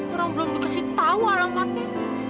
orang belum dikasih tau alam mati